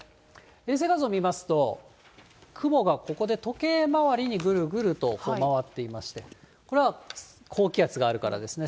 衛星画像見ますと、雲がここで時計回りにぐるぐると回っていまして、これは高気圧があるからですね。